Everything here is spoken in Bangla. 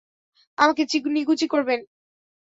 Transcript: আমাকে নিকুচি করবেন?